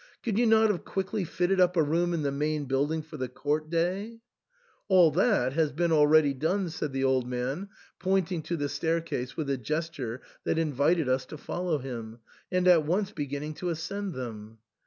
Could you not have quickly fitted up a room in the main building for the court day ?"" All that has been already done," said the old man, pointing to the staircase with a gesture that invited us to follow him, and at once beginning to ascend them.